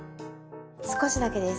少しだけです。